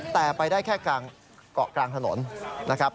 แต่ไปได้แค่กล้องกลางถนนนะครับ